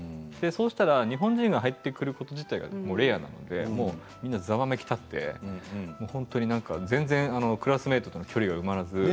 日本人が入ってくること自体がレアなのでみんなざわめきだって本当に全然クラスメートと距離が埋まらず。